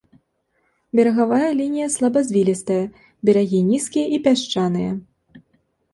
Берагавая лінія слабазвілістая, берагі нізкія і пясчаныя.